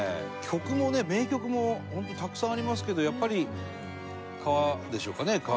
曲もね、名曲も本当に、たくさんありますけどやっぱり、『川』でしょうかね。